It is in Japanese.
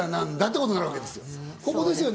ここですよね？